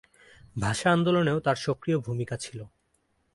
ভাষা আন্দোলনেও তার সক্রিয় ভূমিকা ছিল।